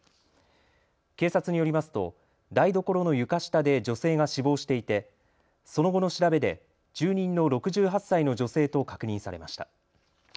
警察によりますと台所の床下で女性が死亡していてその後の調べで住人の６８歳の女性と確認されました。